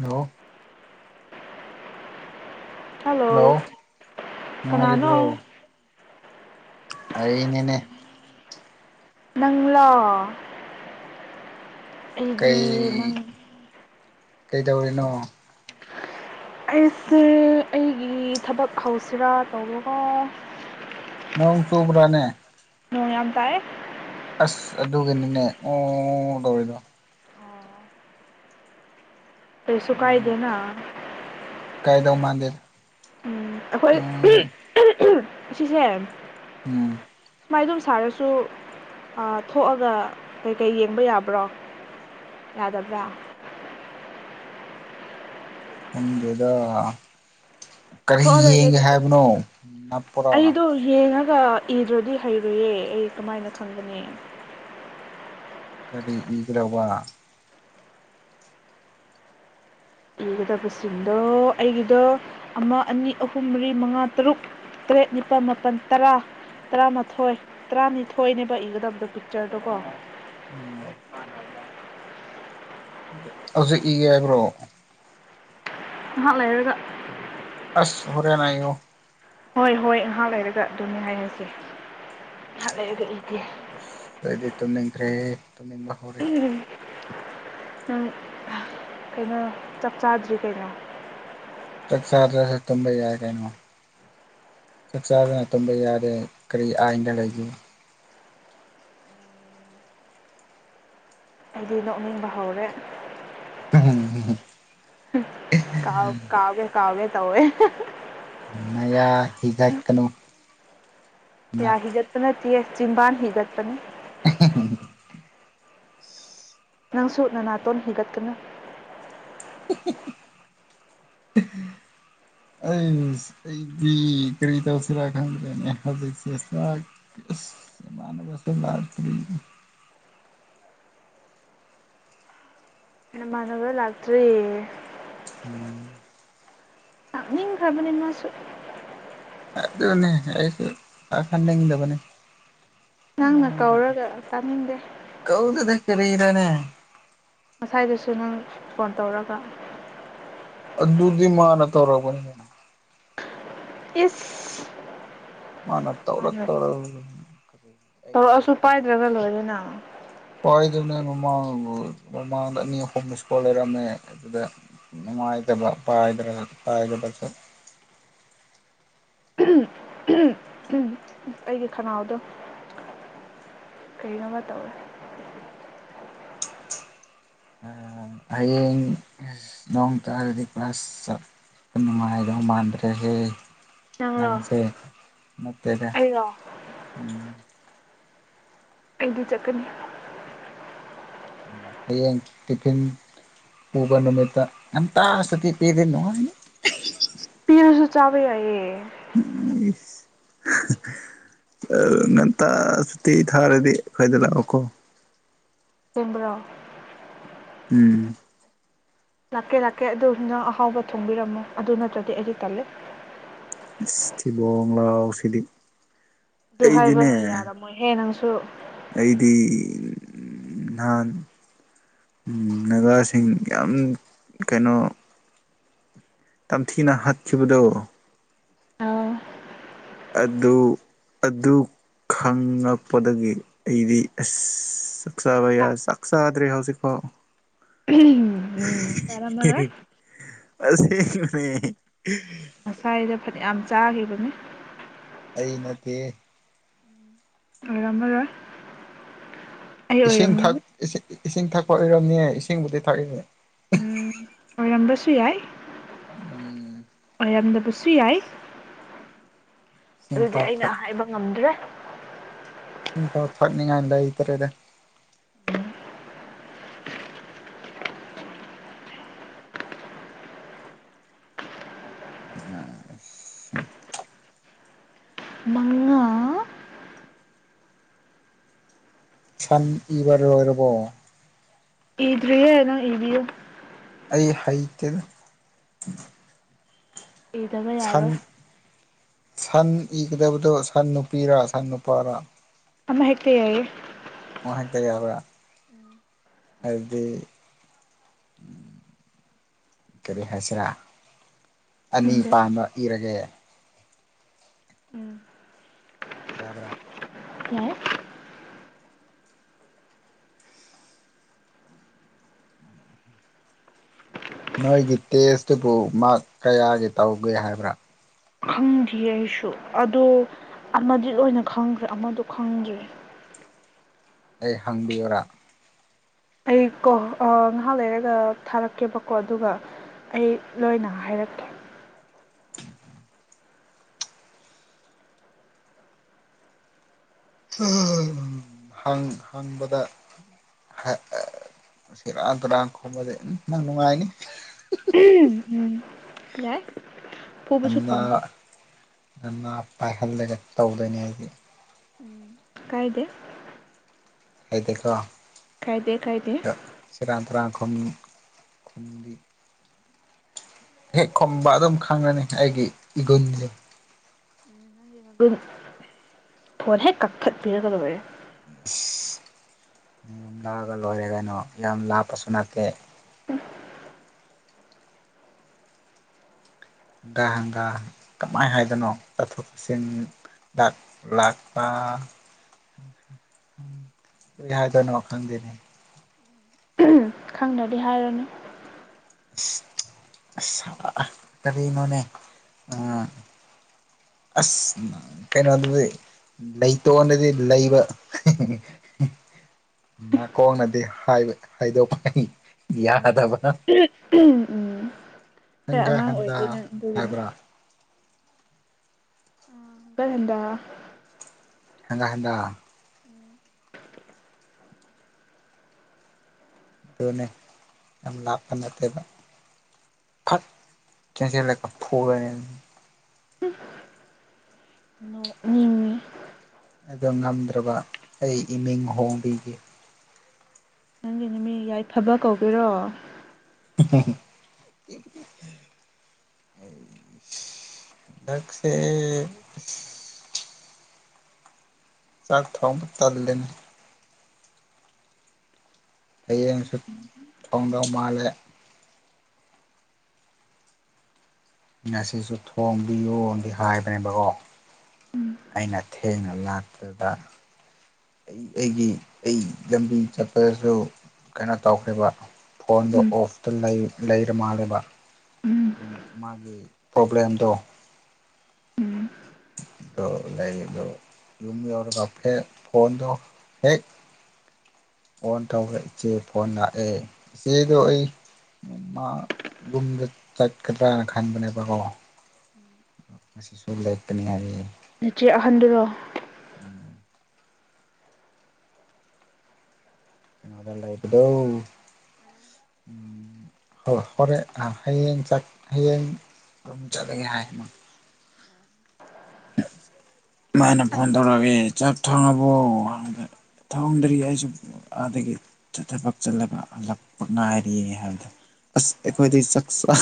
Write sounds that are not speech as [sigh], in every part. hello hello ꯀꯅꯥꯅꯣ ꯑꯩꯅꯤꯅꯦ ꯅꯪꯪꯂꯣ ꯑꯩꯗꯤ ꯅꯪ ꯀꯩ ꯇꯧꯔꯤꯅꯣ ꯑꯩꯁꯦ ꯑꯩꯒꯤ ꯊꯕꯛ ꯍꯧꯁꯤꯔꯥ ꯇꯧꯔꯒ ꯅꯣꯡ ꯆꯨꯕ꯭ꯔꯥꯅꯦ ꯅꯣꯡ ꯌꯥꯝ ꯇꯥꯏꯌ‌ꯦ ꯑꯁ ꯑꯗꯨꯒꯤꯅꯤꯅꯦ ꯑꯣ ꯇꯧꯔꯤꯗꯣ ꯀꯔꯤꯁꯨꯨ ꯀꯥꯏꯗꯦꯅ ꯀꯥꯏꯗꯧ ꯃꯥꯟꯗꯦ ꯎꯝ ꯑꯩꯈꯣꯏ ꯁꯤꯁꯦ ꯎꯝ ꯃꯥꯏꯗꯨꯝ ꯁꯥꯔꯁꯨ ꯊꯣꯛꯑꯒ ꯀꯩꯀꯩ ꯌꯦꯡꯕ ꯌꯥꯕ꯭ꯔꯣ ꯌꯥꯗꯕ꯭ꯔꯥ ꯈꯪꯗ‌ꯦꯗ ꯀꯔꯤ ꯊꯣꯛꯑꯔꯣꯏꯒꯦ ꯌꯦꯡꯒꯦ ꯑꯗꯨꯗꯤ ꯍꯥꯏꯕꯅꯣ ꯅꯞꯄ‌ꯣꯔꯥ ꯒ ꯏꯗ꯭ꯔꯗꯤ ꯍꯩꯔ‌ꯣꯏꯌꯦ ꯑꯩ ꯀꯃꯥꯏꯅ ꯈꯪꯒꯅꯤ ꯀꯔꯤ ꯏꯈ꯭ꯔꯕ ꯏꯒꯗꯕꯁꯤꯡꯗꯣ ꯑꯩꯒꯤꯗꯣ ꯑꯃ ꯑꯅꯤ ꯑꯍꯨꯝ ꯃꯔꯤ ꯃꯉꯥ ꯇꯔꯨꯛ ꯇꯔꯦꯠ ꯅꯤꯄꯥꯜ ꯃꯥꯄꯜ ꯇꯔꯥ ꯇꯔꯥꯃꯥꯊꯣꯏ ꯇꯔꯥꯅꯤꯊꯣꯏꯅꯦꯕ ꯏꯒꯗꯕꯗꯣ ꯄꯤꯛꯆꯔꯗꯣꯀꯣ ꯎꯝ ꯍꯧꯖꯤꯛ ꯏꯒꯦ ꯍꯥꯏꯕ꯭ꯔꯣ ꯉꯍꯥꯛ ꯂꯩꯔꯒ ꯍꯨꯔꯦ ꯅꯥꯏ ꯏꯌ‌ꯣ ꯍꯣꯏ ꯍꯣꯏ ꯉꯥꯏꯍꯥꯛ ꯂꯩꯔꯒ ꯑꯗꯨꯅꯤ ꯍꯥꯏꯔꯁꯦ ꯉꯥꯏꯍꯥꯛ ꯂꯩꯔꯒ ꯏꯒꯦ ꯑꯩꯗꯤ ꯇꯨꯝꯅꯤꯡꯗꯔꯦ ꯅꯤꯡꯕ ꯍꯧꯔꯦ ꯅꯪ ꯀꯩꯅꯣ ꯆꯥꯛ ꯆꯥꯗ꯭ꯔꯤ ꯀꯩꯅꯣ ꯆꯥꯛ ꯆꯥꯗ꯭ꯔꯁꯨ ꯇꯨꯝꯕ ꯌꯥꯏ ꯀꯩꯅꯣ ꯆꯥꯛ ꯆꯥꯗꯅ ꯇꯨꯝꯕ ꯌꯥꯗꯦ ꯀꯔꯤ ꯑꯥꯏꯟꯗ ꯂꯩꯒꯦ ꯑꯩꯗꯤ ꯅꯣꯛꯅꯤꯡꯕ ꯍꯧꯔꯦ [inaudible] ꯀꯥꯎ ꯀꯥꯎꯒꯦ ꯀꯥꯎꯒꯦ ꯇꯧꯋꯦ ꯃꯌꯥ ꯍꯤꯒꯠꯀꯅꯨ ꯌꯥ ꯅ ꯍꯤꯒꯠꯇꯅ ꯁꯤꯁ ꯆꯤꯟꯕꯥꯥꯟ ꯍꯤꯒꯠꯄꯅꯤ [inaudible] ꯅꯪꯁꯨ ꯅꯅꯥꯇꯣꯟ ꯍꯤꯒꯠꯀꯅꯨ ꯑꯩ ꯑꯩꯗꯤ ꯀꯔꯤ ꯇꯧꯁꯤꯔꯥ ꯈꯪꯗ꯭ꯔꯦꯅꯦ ꯍꯧꯖꯤꯛꯁꯦ ꯃꯥꯟꯅꯕꯁ ꯂꯥꯛꯇ꯭ꯔꯤ ꯅꯃꯥꯟꯅꯕ ꯂꯥꯛꯇ꯭ꯔꯤꯌꯦ ꯎꯝ ꯂꯥꯛꯅꯤꯡꯈ꯭ꯔꯕꯅꯤ ꯃꯥꯁꯨ ꯑꯗꯨꯅꯦ ꯑꯩꯁꯨ ꯂꯥꯛꯍꯟꯅꯤꯡꯗꯕꯅꯦ ꯅꯪꯅ ꯀꯧꯔꯒ ꯇꯥꯅꯤꯡꯗꯦ ꯗꯨꯅꯦ ꯉꯁꯥꯏꯗꯨꯁꯨ ꯅꯪ ꯐꯣꯟ ꯇꯧꯔꯒ ꯑꯗꯨꯗꯤ ꯃꯥꯅ ꯇꯧꯔꯛꯄꯅꯦ ꯏꯁ ꯃꯥꯅ ꯇꯧꯔ ꯃꯥꯅ ꯇꯧꯔ ꯑꯩꯅ ꯅ ꯇꯧꯔꯛꯑꯁꯨ ꯄꯥꯏꯗ꯭ꯔꯒ ꯂꯣꯏꯔꯦꯅ ꯄꯥꯏꯗꯨꯅꯦ ꯃꯃꯥꯡ ꯃꯃꯥꯡꯗ ꯑꯅꯤ ꯑꯍꯨꯝ ꯃꯤꯁꯀꯣꯜ ꯂꯩꯔꯝꯃꯦ ꯑꯗꯨꯗ ꯅꯨꯡꯉꯥꯏꯇꯕ ꯄꯥꯏꯗ꯭ꯔ ꯄꯥꯏꯗꯕꯁꯨ ꯎꯝ ꯑꯩꯒꯤ ꯈꯅꯥꯎꯗꯣ ꯀꯔꯤꯅꯣꯝꯃ ꯇꯧꯋꯦ ꯍꯌꯦꯡ ꯅꯣꯡ ꯇꯥꯔꯗꯤ ꯀ꯭ꯂꯥꯁ ꯆꯠ ꯅꯨꯡꯃꯥꯏꯗꯧ ꯃꯥꯟꯗ꯭ꯔꯦ ꯍꯦ ꯅꯪꯔꯣ ꯅꯪꯁꯦ ꯅꯠꯇꯦꯗ ꯑꯩꯔꯣ ꯎꯝ ꯑꯩꯗꯤ ꯆꯠꯀꯅꯤ ꯍꯌꯦꯡ ꯇꯤꯐꯤꯟ ꯄꯨꯕ ꯅꯨꯃꯤꯠꯇ ꯉꯟꯇ ꯁꯇ ꯄꯤꯗꯅꯨꯡꯉ ꯄꯤꯔꯁꯨ ꯆꯥꯕꯩ ꯌꯥꯏꯌꯦ ꯉꯟꯇ ꯁꯨꯇꯤ ꯊꯥꯔꯗꯤ ꯑꯈꯣꯏꯗ ꯂꯥꯛꯑꯣꯀꯣ ꯑꯁꯦꯡꯕꯔꯣ ꯎꯝ ꯂꯥꯛꯀꯦ ꯂꯥꯛꯀꯦ ꯑꯗꯨ ꯅꯪ ꯑꯍꯥꯎꯕ ꯊꯣꯡꯕꯤꯔꯝꯃꯣ ꯑꯗꯨ ꯅꯠꯇ꯭ꯔꯗꯤ ꯑꯩꯗꯤ ꯇꯜꯂꯦ ꯊꯤꯕꯣꯡ ꯂꯥꯎ ꯁꯤꯗꯤ ꯑꯗꯨ ꯑꯩꯗꯤꯅꯦ ꯍꯥꯏꯕꯗꯣ ꯌꯥꯔꯝꯃꯣꯏꯍꯦ ꯅꯪ ꯁꯨ ꯑꯩꯗꯤ ꯅꯍꯥꯟ ꯅꯒꯥꯁꯤꯡ ꯌꯥꯝ ꯀꯩꯅꯣ ꯇꯝꯊꯤꯅ ꯍꯥꯠꯈꯤꯕꯗꯣ ꯑꯥꯎ ꯑꯗꯨ ꯑꯗꯨ ꯈꯉꯛꯄꯗꯒꯤ ꯑꯩꯗꯤ ꯑꯁ ꯕ ꯁꯛꯁ꯭ꯔꯦ ꯁꯤꯀꯥꯎ ꯎꯝ ꯑꯦ ꯌꯥꯔꯝꯃꯔꯣꯏ ꯑꯁꯤꯁ ꯉꯁꯥꯏꯗ ꯐꯅꯌꯥꯝ ꯆꯥꯈꯤꯕꯅꯤ ꯑꯩ ꯅꯠꯇꯦ ꯑꯔꯝꯝꯕꯏ ꯏꯁꯤꯡ ꯊꯛ ꯏꯁꯤꯡ ꯏꯁꯤꯡ ꯊꯛꯄ ꯑꯣꯏꯔꯝꯅꯤꯌꯦ ꯏꯁꯤꯡꯕꯨꯗꯤ ꯊꯛꯏꯅꯦ ꯎꯝ ꯑꯣꯏꯔꯝꯕꯁꯨ ꯌꯥꯏ ꯎꯝ ꯌꯥꯝꯗꯕꯁꯨ ꯌꯥꯏ ꯏꯁꯤꯡ ꯑꯗꯨꯗꯤ ꯄꯥꯎ ꯊꯛ ꯑꯩꯅ ꯍꯥꯏꯕ ꯉꯝꯗ꯭ꯔꯦ ꯏꯁꯤꯡꯐꯥꯎ ꯊꯛꯅꯤꯡꯉꯥꯏ ꯂꯩ ꯇꯔꯦꯗ ꯑ ꯃꯉꯥ ꯁꯟ ꯏꯕ ꯂꯣꯏꯔꯕꯣ ꯏ꯭ꯅ ꯏꯌꯣ ꯑꯩ ꯍꯩꯇ ꯑꯩꯗꯅ ꯌꯥꯔ ꯁꯟ ꯏꯒꯗꯕꯗꯣ ꯁꯟ ꯅꯨꯄꯤꯔꯥ ꯁꯟ ꯅꯨꯄꯥꯔꯥ ꯑꯃ ꯍꯦꯛꯇ ꯌꯥꯏꯌꯦ ꯉ ꯍꯥꯛꯛꯇ ꯌꯥꯕ ꯑꯗꯨꯗꯤ ꯀꯔꯤ ꯍꯥꯏꯁꯤꯔꯥ ꯑꯅꯤ ꯈꯪꯗꯦ ꯄꯥꯟꯕ ꯏꯔꯒꯦ ꯌꯥꯕ꯭ꯔꯥ ꯌꯥꯏ ꯅꯣꯏꯒꯤ ꯇꯦꯁꯇꯨꯕꯨ ꯃꯥ ꯀꯌꯥꯒꯤ ꯇꯧꯒꯦ ꯍꯥꯏꯕ꯭ꯔꯥ ꯈꯪꯗꯦ ꯑꯩꯁꯨ ꯑꯗꯣ ꯑꯃꯗꯤ ꯂ ꯑꯣꯏꯅ ꯈꯪꯗ꯭ꯔꯦ ꯑꯃꯗꯣ ꯈꯪꯗꯦ ꯑꯩ ꯍꯪꯕꯤꯌꯔꯥ ꯑꯩ ꯀꯣ ꯉꯥꯏꯍꯥꯛ ꯂꯩꯔꯒ ꯊꯥꯔꯛꯀꯦꯕꯀꯣ ꯑꯗꯨꯒ ꯑꯩ ꯂꯣꯏꯅ ꯍꯥꯏꯔꯛꯀꯦ ꯍꯪꯕꯗ ꯁꯤꯔꯥꯟ ꯇꯨꯔꯥꯟ ꯈꯣꯝꯕꯁ ꯅꯪ ꯅꯨꯡꯉꯥꯏꯅꯤ ꯎꯝ ꯌꯥꯏ ꯐꯨꯕꯁꯨ ꯉ ꯐꯪꯉꯣꯏ ꯉ ꯄꯥꯏꯍꯜꯂꯒ ꯇꯧꯗꯣꯏꯅꯤ ꯍꯥꯏꯗꯤ ꯀꯥꯏꯗꯦ ꯍꯥꯏꯗꯀꯣ ꯀꯥꯏꯗꯦ ꯀꯥꯏꯗꯦ ꯇꯨꯔꯥꯟ ꯈꯨꯝ ꯈꯨꯨꯝꯕꯤ ꯍꯦꯛ ꯈꯣꯝꯕ ꯑꯗꯨꯝ ꯈꯪꯉꯅꯤ ꯑꯩꯒꯤ ꯏꯒꯨꯟꯁꯦ ꯐꯣꯟ ꯍꯦꯛ ꯀꯛ ꯐꯠ ꯄꯤꯔꯒꯗꯔꯦ ꯨꯝ ꯂꯥꯛꯑꯒ ꯂꯣꯏꯔꯦ ꯀꯩꯅꯣ ꯌꯥꯝ ꯂꯥꯞꯄꯁꯨ ꯅꯠꯇꯦ ꯍꯪꯒꯥ ꯍꯪꯒꯥ ꯀꯃꯥꯏꯅ ꯍꯥꯏꯗꯣꯏꯅꯣ ꯆꯠꯊꯣꯛ ꯆꯠꯁꯤꯟ ꯆꯥꯛ ꯂꯥꯛꯄ ꯀꯔꯤ ꯍꯥꯏꯗꯣꯏꯅꯣ ꯈꯪꯗꯦꯅꯦ ꯈꯪꯗꯗꯤ ꯍꯥꯏꯔꯅꯨ ꯑꯁ ꯀꯔꯤꯅꯣꯅꯦ ꯑ ꯑꯁ ꯀꯩꯅꯣꯗꯗꯤ ꯂꯩꯇꯣꯟꯗꯗꯤ ꯂꯩꯕ ꯅꯥꯀꯣꯡꯅꯗꯤ ꯍꯥꯏꯕ ꯍꯥꯏꯗꯣꯛꯄ ꯌꯥꯗꯕ ꯎꯝ ꯈꯔ ꯍꯪꯒꯥ ꯑꯉꯥꯡ ꯍꯟꯗꯥ ꯑꯣꯏꯔꯤ ꯅꯪ ꯑꯗꯨꯒꯤꯅ ꯍꯥꯏꯕ꯭ꯔꯥ [unintelligible] ꯍꯪꯒꯠ ꯍꯟꯗꯥ [inaudible] ꯑꯗꯨꯅꯦ ꯌꯥꯝ ꯂꯥꯞꯄ ꯅꯠꯇꯦꯕ ꯐꯠ ꯆꯦꯟꯁꯤꯜꯂꯒ ꯐꯨꯔꯅꯤ ꯅꯣꯛꯅꯤꯡꯉꯤ ꯑꯗꯣ ꯉꯝꯗ꯭ꯔꯕ ꯑꯩ ꯏꯃꯤꯡ ꯍꯣꯡꯕꯤꯒꯦ ꯅꯪꯒꯤ ꯅꯨꯃꯤ ꯌꯥꯏꯐꯕ ꯀꯧꯗꯣꯏꯔꯣ ꯗꯥꯛꯁꯦ ꯆꯥꯛ ꯊꯣꯡꯕ ꯇꯜꯂꯦꯅꯦ ꯍꯌꯦꯡꯁꯨ ꯊꯣꯡꯗꯧ ꯃꯥꯜꯂꯦ ꯉꯁꯤꯁꯨ ꯊꯣꯡꯕꯤꯌꯨꯅꯗꯤ ꯍꯥꯏꯕꯅꯦꯕꯀꯣ ꯑꯩꯅ ꯊꯦꯡꯅ ꯂꯥꯛꯄꯗ ꯑꯩ ꯑꯩꯒꯤ ꯑꯩ ꯂꯝꯕꯤ ꯆꯠꯄꯗꯁꯨ ꯀꯩꯅꯣ ꯇꯧꯈ꯭ꯔꯦꯕ ꯐꯣꯟꯗꯣ ꯑꯣꯐꯇ ꯂꯩꯔ ꯃꯥꯜꯂꯦꯕ ꯃꯥꯒꯤ ꯄ꯭ꯔꯣꯕ꯭ꯂꯦꯝꯗꯣ ꯑꯗꯨ ꯂꯩꯌꯦꯕ ꯌꯨꯝ ꯌ ꯑꯣꯏꯔꯒꯐꯦ ꯐꯣꯟꯗ ꯍꯦꯛ ꯑꯣꯟ ꯇꯧꯔ ꯏꯆꯦ ꯐꯣꯟ ꯂꯥꯛꯑꯦ ꯏꯆꯦꯗꯣ ꯑꯩ ꯃꯥ ꯔꯨꯝꯗ ꯆꯠꯀꯗ꯭ꯔꯅ ꯈꯟꯕꯅꯦꯕꯀꯣ ꯉꯁꯤꯁꯨ ꯂꯦꯛꯀꯀꯅꯦ ꯍꯥꯏ ꯅꯆꯦ ꯑꯍꯟꯗꯨꯔꯣ ꯎꯝ ꯑꯗ ꯂꯩꯥꯕꯗꯣ ꯍꯣꯔꯦꯟ ꯍꯌꯦꯡ ꯆꯠ ꯍꯌꯦꯡ ꯆꯠꯂꯒꯦ ꯍꯥꯏ ꯃꯣꯏ ꯃꯥꯅ ꯐꯣꯟ ꯑꯗꯨꯗꯤ ꯇꯧꯔꯛꯑꯦ ꯆꯥꯛ ꯊꯣꯡꯉꯕꯣꯗ ꯊꯣꯡꯗ꯭ꯔꯤ ꯑꯩꯁꯨ ꯑꯗꯒꯤ ꯊꯕꯛ ꯆꯠꯂꯒ ꯍꯂꯛꯄ ꯉꯥꯏꯔꯤ ꯍꯥꯏꯕꯗ ꯑꯁ ꯑꯩꯈꯣꯏꯗꯤ ꯆꯥꯛꯆꯥ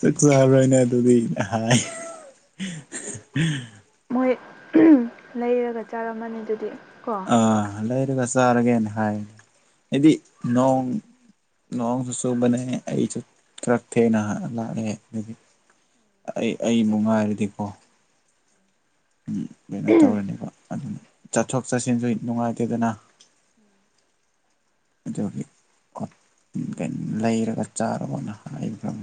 ꯆꯥꯛ ꯆꯥꯕ꯭ꯔꯅ ꯑꯗꯨꯗꯤ ꯑꯩꯅ ꯍꯥꯏ ꯑꯍꯍ ꯃꯣꯏ ꯂꯩꯔꯒ ꯆꯥꯔꯝꯃꯅꯤ ꯑꯗꯨꯗꯤ ꯀꯣ ꯑ ꯂꯩꯔꯒ ꯆꯥ ꯆꯥꯔꯒꯦꯅ ꯍꯥꯏꯅꯦ ꯍꯥꯏꯗꯤ ꯅꯣꯡ ꯅꯣꯡꯁꯨ ꯆꯨꯕꯅꯦ ꯑꯩꯁꯨ ꯈꯔ ꯊꯦꯡꯅ ꯂꯥꯛꯑꯦ ꯍꯥꯏꯗꯤ ꯑꯩ ꯑꯩꯕꯨ ꯉꯥꯏꯔꯗꯤꯀꯣ ꯎ ꯀꯩꯅꯣ ꯇꯧꯔꯅꯤꯕ ꯑꯗꯨ ꯆꯠꯊꯣꯛ ꯆꯠꯁꯤꯟꯁꯨ ꯅꯨꯡꯉꯥꯏꯇꯦꯗꯅ ꯑꯗꯨꯒꯤ ꯂꯩꯔꯒ ꯆꯥꯔꯣꯅ ꯍꯥꯏꯈ꯭ꯔꯕ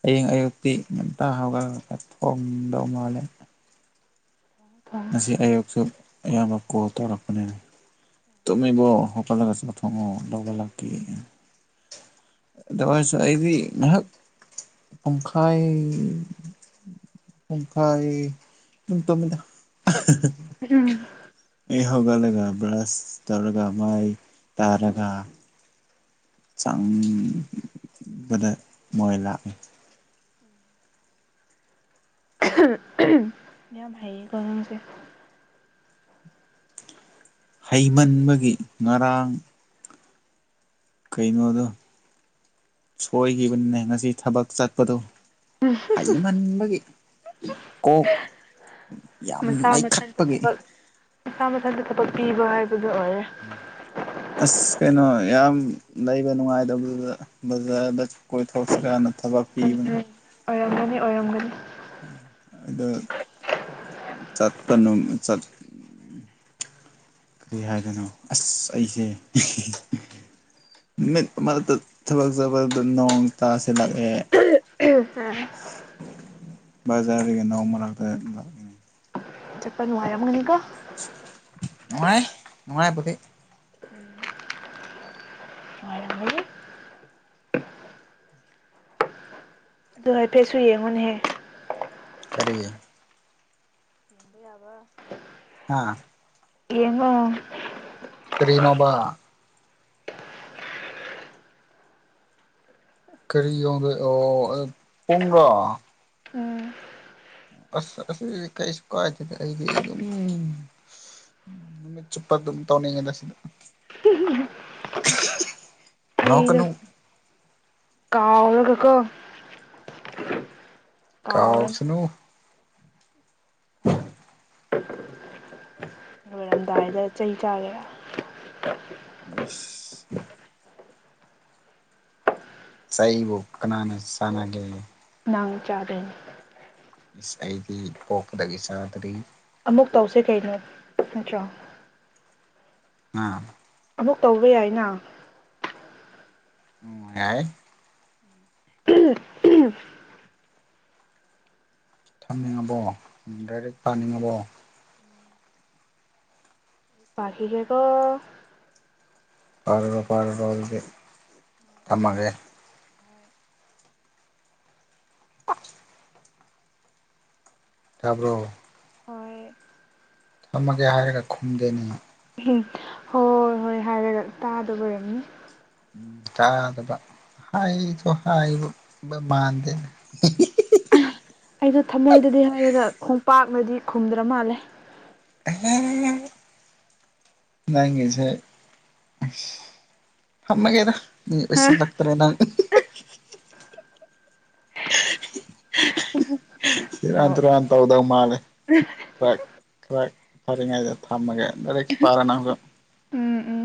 ꯍꯌꯦꯡ ꯑꯌꯨꯛꯇꯤ ꯉꯟꯇꯥ ꯍꯧꯒꯠꯂꯒ ꯊꯣꯡꯗꯧ ꯃꯥꯜꯂꯦ ꯉꯁꯤ ꯑꯌꯨꯛꯁꯨ ꯑꯌꯥꯝꯕ ꯀꯣꯜ ꯇꯧꯔꯛꯄꯅꯦ ꯇꯨꯝꯃꯤꯕꯣ ꯍꯧꯒꯠꯂꯒ ꯆꯥꯛ ꯊꯣꯡꯉꯣ ꯂꯧꯕ ꯂꯥꯛꯈꯤ ꯑꯗꯨ ꯑꯣꯏꯔꯁꯨ ꯑꯩꯗꯤ ꯉꯥꯏꯍꯥꯛ ꯄꯨꯡꯈꯥꯏ ꯄꯨꯡꯈꯥꯏ ꯁꯨꯝ ꯇꯨꯝꯃꯤꯗ ꯑꯩ ꯍꯧꯒꯠꯂꯒ ꯕ꯭ꯔꯁ ꯇꯧꯔꯒ ꯃꯥꯏ ꯇꯥꯔꯒ ꯆꯪꯕꯗ ꯃꯣꯏ ꯂꯥꯛꯏ [inaudible] ꯌꯥꯝ ꯍꯩꯌꯦꯀꯣ ꯅꯪꯁꯦ ꯍꯩꯃꯟꯕꯒꯤ ꯉꯔꯥꯡ ꯀꯩꯅꯣꯗꯣ ꯁꯣꯏꯈꯤꯕꯅꯤꯅꯦ ꯉꯁꯤ ꯊꯕꯛ ꯆꯠꯄꯗꯣ ꯍꯩꯃꯟꯕꯒꯤ ꯀꯣꯛ ꯌꯥꯝ ꯃꯁꯥ ꯃꯊꯟꯇ ꯂꯥꯏꯈꯠꯄꯒꯤ ꯊꯕꯛ ꯃꯁꯥ ꯃꯊꯟꯇ ꯊꯕꯛ ꯄꯤꯕ ꯍꯥꯏꯕ ꯑꯁ ꯀꯩꯅꯣ ꯌꯥꯝ ꯂꯩꯕ ꯅꯨꯡꯉꯥꯏꯇꯕꯗꯨꯗ ꯕꯖꯥꯔꯗ ꯀꯣꯏꯊꯣꯔꯁꯤ ꯀꯥ ꯅ ꯎꯝ ꯊꯕꯛꯄꯤꯤꯕꯅ ꯎꯝ ꯑꯣꯏꯔꯝꯒꯅꯤ ꯑꯣꯏꯔꯝꯒꯅꯤ ꯑꯗꯣ ꯆꯠꯄꯅꯠ ꯀꯔꯤ ꯍꯥꯏꯗꯣꯏꯅꯣ ꯑꯁ ꯑꯩꯁꯦ ꯅꯨꯃꯤꯠ ꯃꯔꯛꯇ ꯊꯕꯛ ꯆꯕꯗ ꯅꯣꯡ ꯇꯥꯁꯂꯥꯛꯑꯦ ꯎ ꯕꯖꯥꯔꯒ ꯅ ꯑꯃꯗ ꯆꯄꯅ ꯑꯌꯥ ꯃꯪꯅꯤꯒ ꯅꯨꯡꯉꯥꯏ ꯅꯨꯡꯉꯥꯏ ꯄꯨꯙꯦ ꯋꯥꯏꯔꯝꯒꯅꯤ ꯑꯗꯨ ꯍꯥꯏꯐꯦꯠꯁꯨ ꯌꯦꯡꯉꯨꯅꯦꯍꯦ ꯀꯔꯤ ꯑꯥ ꯌꯦꯉꯣ ꯁꯔꯤꯅꯣꯕ ꯀꯔꯤ ꯌꯗ ꯑꯣ ꯄꯨꯡ꯭ꯔꯥ ꯎꯝ ꯑꯁ ꯀꯩꯁꯨ ꯀꯥꯏ ꯑꯩꯗꯤ ꯑꯗꯨꯝ ꯅꯨꯃꯤꯠ ꯆꯨꯞꯄ ꯑꯗꯨꯝ ꯇꯧꯅꯤꯡꯉꯗ ꯁꯤꯗ ꯅ ꯀꯩꯅ ꯐꯔꯒ ꯀꯥꯎ ꯁꯅꯨ ꯎꯝ ꯑꯗꯨꯗꯥꯋꯥꯏꯗ ꯆꯩ ꯆꯥꯒꯦ ꯁ ꯁꯍꯤꯕꯨ ꯀꯅꯥꯅꯦ ꯁꯅ ꯀ ꯅꯥꯎꯖꯥꯔꯅꯤ ꯑꯩꯗꯤ ꯄꯄꯗꯁꯥꯗꯔꯤ ꯑꯃꯨꯛ ꯇꯧꯁꯦ ꯀꯩꯅꯣ ꯅꯠꯇ꯭ꯔꯣ ꯑꯝ ꯑꯃꯨꯛ ꯇꯧꯕ ꯌꯥꯏꯅ ꯎꯝ ꯍꯥꯏ [unintelligible] ꯊꯝꯅꯤꯡꯉꯕꯣ ꯗꯥꯏꯔꯦꯛ ꯄꯥꯅꯤꯡꯉꯕꯣ ꯄ ꯍꯒꯦꯀꯣ ꯄꯔꯣ ꯄꯔꯔꯕꯣ ꯂꯤ ꯇꯥꯃꯦ ꯊꯥꯕ꯭ꯔꯣ ꯍꯣꯏ ꯊꯝꯃꯒꯦ ꯍꯥꯏꯔꯒ ꯈꯨꯝꯗꯦꯅꯦ ꯎꯝ ꯍꯣꯏ ꯍꯣꯏ ꯍꯥꯏꯔꯒ ꯇꯥꯗꯕꯔꯅꯤ ꯇꯥꯗꯕ ꯍꯥꯏꯁꯨꯣ ꯍꯥꯏꯕ ꯃꯥꯟꯗꯦ ꯑꯩꯁꯨꯣ ꯊꯃꯣꯏꯗꯗꯤ ꯍꯥꯏꯔꯒ ꯈꯣꯡꯄꯥꯛꯅꯗꯤ ꯈꯨꯝꯗ꯭ꯔ ꯃꯥꯜꯂꯦ ꯅꯁ ꯑꯃꯒꯦꯔ ꯍꯥ ꯁꯤ ꯂꯥꯛꯇꯥꯔꯦ ꯅꯪ [unintelligible] ꯁꯤꯔ ꯇꯔ ꯇꯧꯗ ꯃꯥꯂꯦ ꯇ꯭ꯔ ꯈꯔ ꯐꯔꯉꯥꯏꯗ ꯊꯝꯃꯒꯦ ꯔ ꯄꯥꯔꯅꯒ ꯎꯝ ꯎꯝ